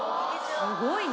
すごいね。